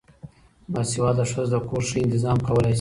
باسواده ښځه د کور ښه انتظام کولای سي